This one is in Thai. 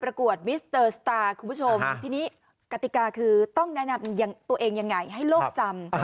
กวดมิสเตอร์สตาร์คุณผู้ชมทีนี้กติกาคือต้องแนะนำตัวเองยังไงให้โลกจำ